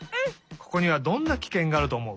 ここにはどんなきけんがあるとおもう？